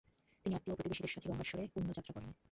তিনি আত্মীয় ও প্রতিবেশীদের সাথে গঙ্গাশ্বরে পূণ্যযাত্রা করেন।